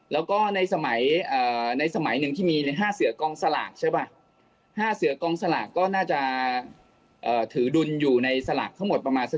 เราก็ในสมัยนึงที่มีห้าเสือกองสลากใช่ป่ะหน้าจะถือดุลอยู่ในสลากประมาณสัก๒๐